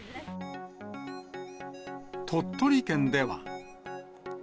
鳥取県では。